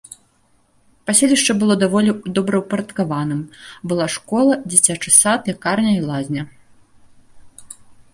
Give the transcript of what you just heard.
Паселішча было даволі добраўпарадкаваным, была школа, дзіцячы сад, лякарня і лазня.